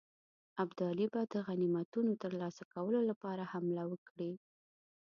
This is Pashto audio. ابدالي به د غنیمتونو ترلاسه کولو لپاره حمله وکړي.